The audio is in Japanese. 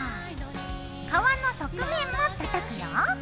皮の側面も叩くよ。